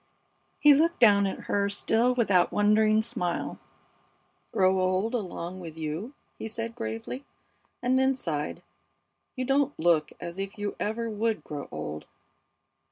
'" He looked down at her still with that wondering smile. "Grow old along with you!" he said, gravely, and then sighed. "You don't look as if you ever would grow old."